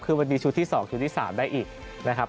คือมันมีชุดที่๒ชุดที่๓ได้อีกนะครับ